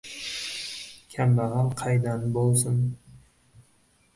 Kambag‘al qaydan bo‘lsin?!